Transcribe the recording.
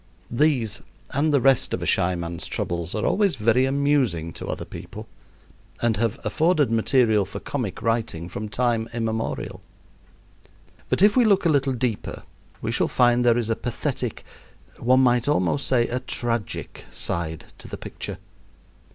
These and the rest of a shy man's troubles are always very amusing to other people, and have afforded material for comic writing from time immemorial. But if we look a little deeper we shall find there is a pathetic, one might almost say a tragic, side to the picture.